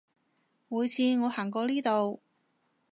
每次我行過呢度